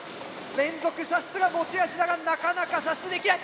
連続射出が持ち味だがなかなか射出できない。